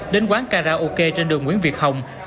đến quán karaoke trên đường nguyễn việt hồng phường an phú